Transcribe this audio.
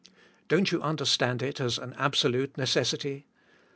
Don't you understand it is an absolute necessity?